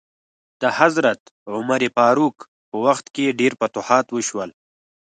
د حضرت عمر فاروق په وخت کې ډیر فتوحات وشول.